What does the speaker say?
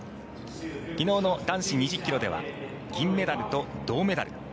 昨日の男子２０ｋｍでは銀メダルと銅メダル。